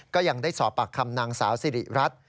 ก็ยังได้สอบปากคำนางสาวสิริรัตน์